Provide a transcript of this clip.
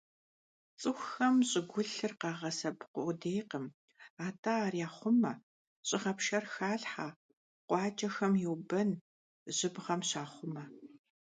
ЦӀыхухэм щӀыгулъыр къагъэсэбэп къудейкъым, атӀэ ар яхъумэ: щӀыгъэпшэр халъхьэ, къуакӀэхэм йобэн, жьыбгъэм щахъумэ.